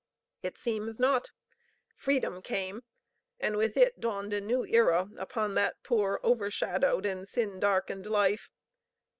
It seems not. Freedom came, and with it dawned a new era upon that poor, overshadowed, and sin darkened life.